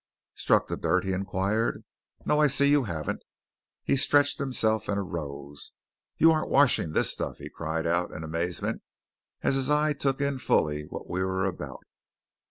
"Struck the dirt?" he inquired. "No, I see you haven't." He stretched himself and arose. "You aren't washing this stuff!" he cried in amazement, as his eye took in fully what we were about.